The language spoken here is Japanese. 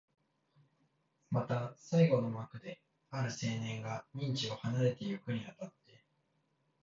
また最後の幕で、ある青年が任地を離れてゆくに当たって、